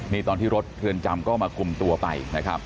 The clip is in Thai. นี่ตอนที่รถเรือนจำก็มาคุมตัวไป